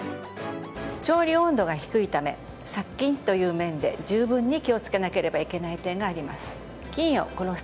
調理温度が低いため殺菌という面で十分に気をつけなければいけない点があります。